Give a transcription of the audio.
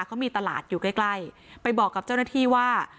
เขามีตลาดอยู่ใกล้ใกล้ไปบอกกับเจ้าหน้าที่ว่า